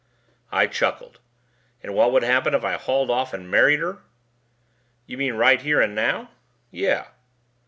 I chuckled. "And what would happen if I hauled off and married her?" "You mean right here and now?" "Yes."